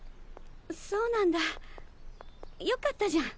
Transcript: そうなんだよかったじゃん。